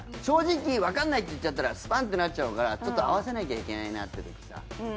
正直わかんないって言っちゃったらスパンッてなっちゃうから合わせなきゃいけないなってときさ。